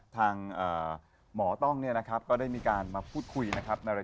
ทางหมอต้องเนี่ยนะครับก็ได้มีการมาพูดคุยนะครับ